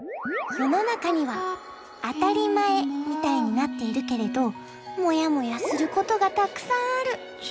世の中には当たり前みたいになっているけれどもやもやすることがたくさんある。